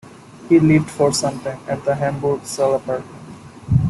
He lived for some time at the Hamburg cell apartment.